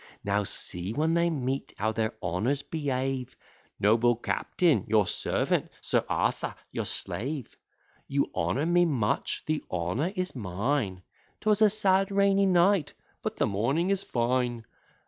"Now see, when they meet, how their honours behave; 'Noble captain, your servant' 'Sir Arthur, your slave; You honour me much' 'The honour is mine.' ''Twas a sad rainy night' 'But the morning is fine.'